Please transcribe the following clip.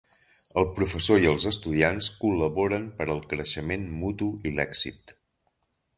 El professor i els estudiants col·laboren per al creixement mutu i l'èxit.